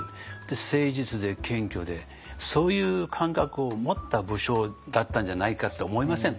誠実で謙虚でそういう感覚を持った武将だったんじゃないかって思いませんか？